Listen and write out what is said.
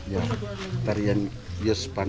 ya tarian yospan